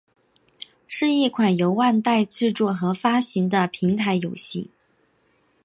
是一款由万代制作和发行的平台游戏。